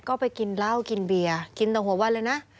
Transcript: ก็ไปกินเหล้ากินเบียร์กินต่อหัววันเลยนะ